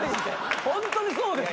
ホントにそうです。